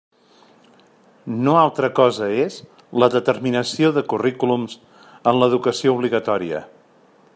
No altra cosa és la determinació de currículums en l'educació obligatòria.